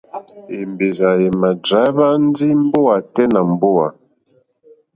Èmbèrzà èmà dráíhwá ndí mbówà tɛ́ nà mbówà.